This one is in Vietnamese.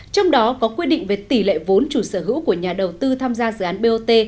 trong đó có quy định về tỷ lệ vốn chủ sở hữu của nhà đầu tư tham gia dự án bot